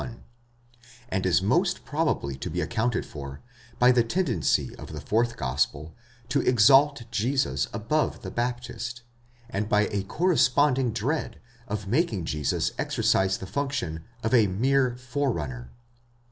1), and is most probably to be accounted for by the tendency of the fourth gospel to exalt Jesus above the Baptist, and by a corresponding dread of making Jesus exer cise the function of the mere forerunner.